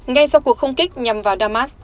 ngay sau cuộc không kích nhằm vào damas